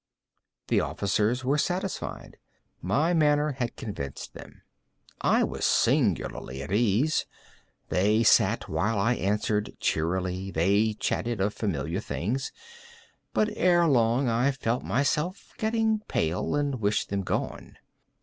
The officers were satisfied. My manner had convinced them. I was singularly at ease. They sat, and while I answered cheerily, they chatted of familiar things. But, ere long, I felt myself getting pale and wished them gone.